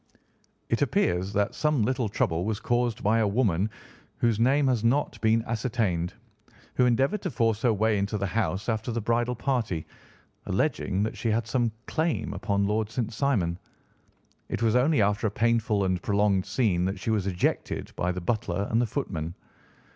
It appears that some little trouble was caused by a woman, whose name has not been ascertained, who endeavoured to force her way into the house after the bridal party, alleging that she had some claim upon Lord St. Simon. It was only after a painful and prolonged scene that she was ejected by the butler and the footman.